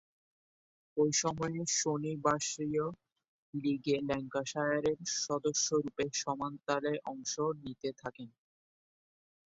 ঐ সময়ে শনিবাসরীয় লীগে ল্যাঙ্কাশায়ারের সদস্যরূপে সমান তালে অংশ নিতে থাকেন।